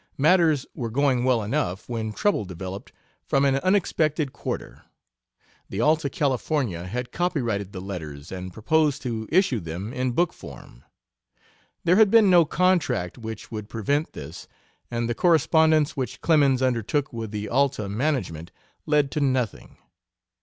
Matters were going well enough, when trouble developed from an unexpected quarter. The Alta California had copyrighted the letters and proposed to issue them in book form. There had been no contract which would prevent this, and the correspondence which Clemens undertook with the Alta management led to nothing.